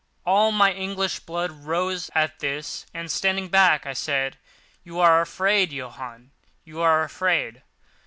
All my English blood rose at this, and, standing back, I said: "You are afraid, Johann—you are afraid.